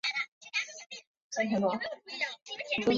玫红百合为百合科百合属下的一个种。